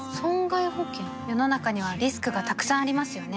世の中にはリスクがたくさんありますよね